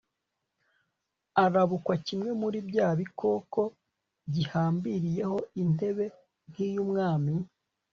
arabukwa kimwe muri bya bikoko gihambiriyeho intebe nk'iy'umwami